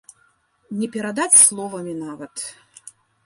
Не перадаць словамі нават.